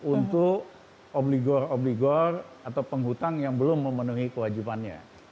untuk obligor obligor atau penghutang yang belum memenuhi kewajibannya